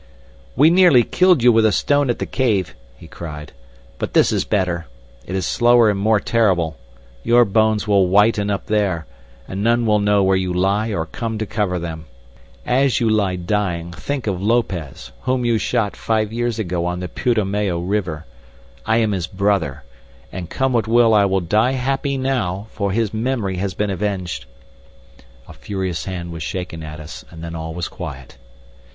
"We nearly killed you with a stone at the cave," he cried; "but this is better. It is slower and more terrible. Your bones will whiten up there, and none will know where you lie or come to cover them. As you lie dying, think of Lopez, whom you shot five years ago on the Putomayo River. I am his brother, and, come what will I will die happy now, for his memory has been avenged." A furious hand was shaken at us, and then all was quiet.